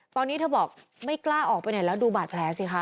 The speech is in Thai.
ตอนนี้เธอบอกไม่กล้าออกไปไหนแล้วดูบาดแผลสิคะ